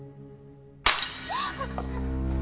あっ。